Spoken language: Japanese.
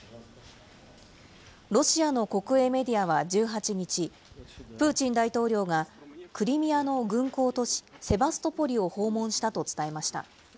ロシアの国営メディアは１８日、プーチン大統領がクリミアの軍港都市セバストポリを訪問したと伝えました。